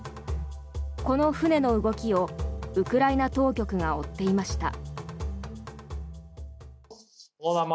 この船の動きをウクライナ当局が追っていました。